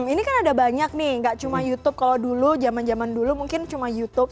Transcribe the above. ini kan ada banyak nih gak cuma youtube kalau dulu zaman zaman dulu mungkin cuma youtube